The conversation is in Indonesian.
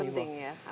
ya itu penting ya